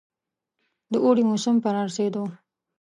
د اوړي موسم په رارسېدو.